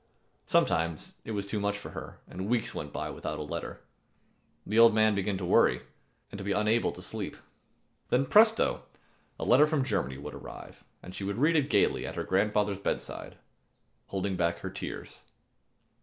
Sometimes it was too much for her, and weeks went by without a letter. The old man began to worry and to be unable to sleep. Then presto! a letter from Germany would arrive, and she would read it gayly at her grandfather's bedside, holding back her tears.